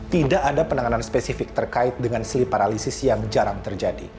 tidak ada penanganan spesifik terkait dengan slee paralysis yang jarang terjadi